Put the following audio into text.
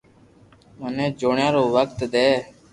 مني جوڻيا رو وقت دي